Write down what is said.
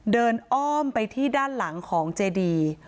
อ้อมไปที่ด้านหลังของเจดี